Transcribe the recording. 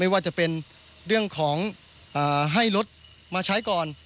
ว่าจะเป็นเรื่องของให้รถมาใช้ก่อน